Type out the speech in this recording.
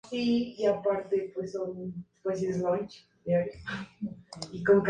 Éstos operan a la temperatura ambiental.